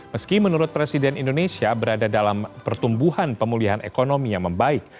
meski menurut presiden indonesia berada dalam pertumbuhan pemulihan ekonomi yang membaik